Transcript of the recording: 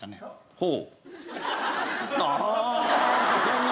ほう。